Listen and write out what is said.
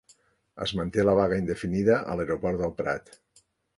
Es manté la vaga indefinida a l'aeroport del Prat